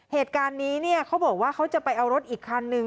เหตุการณ์นี้เนี่ยเขาบอกว่าเขาจะไปเอารถอีกคันนึง